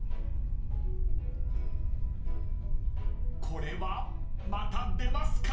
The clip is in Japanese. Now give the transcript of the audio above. ［これはまた出ますか？］